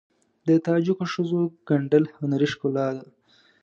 د تاجکو ښځو ګنډل هنري ښکلا ده.